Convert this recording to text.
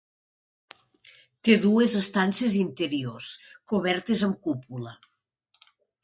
Té dues estances interiors, cobertes amb cúpula.